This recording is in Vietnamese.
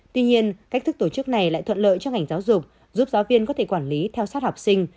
tuy nhiên cách thức tổ chức này lại thuận lợi cho ngành giáo dục giúp giáo viên có thể quản lý theo sát học sinh